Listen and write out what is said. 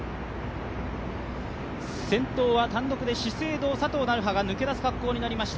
先頭は単独で資生堂・佐藤成葉が抜け出す格好になりました。